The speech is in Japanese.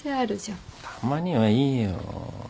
たまにはいいよ。